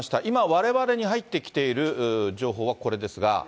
今、われわれに入ってきている情報はこれですが。